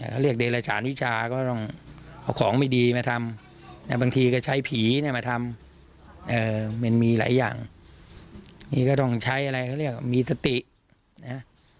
เขาเรียกเดรฉานวิชาก็ต้องเอาของไม่ดีมาทำนะบางทีก็ใช้ผีเนี่ยมาทำมันมีหลายอย่างนี้ก็ต้องใช้อะไรเขาเรียกว่ามีสตินะ